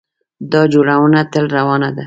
دا جوړونه تل روانه ده.